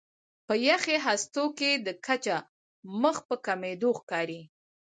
په یخي هستو کې د کچه مخ په کمېدو ښکاري.